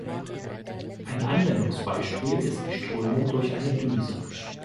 Ein Anwendungsbeispiel ist die Strömung durch eine Düse.